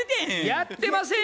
やってません。